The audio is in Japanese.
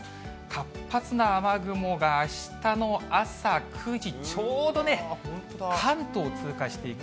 活発な雨雲があしたの朝９時、ちょうど関東を通過していく。